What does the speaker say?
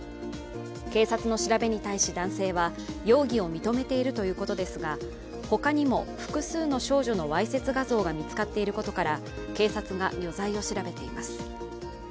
警察の調べに対し、男性は容疑を認めているということですが、ほかにも複数の少女のわいせつ画像が見つかっていることから警察が余罪を調べています。